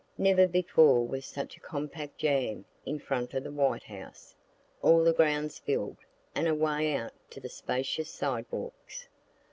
Never before was such a compact jam in front of the White House all the grounds fill'd, and away out to the spacious sidewalks.